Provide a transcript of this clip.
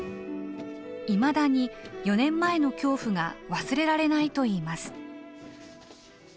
いまだに４年前の恐怖が忘れられないといいます。